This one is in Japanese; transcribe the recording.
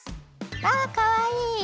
あかわいい！